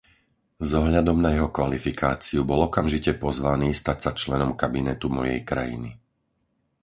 S ohľadom na jeho kvalifikáciu, bol okamžite pozvaný stať sa členom kabinetu mojej krajiny.